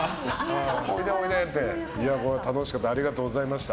楽しかったありがとうございました。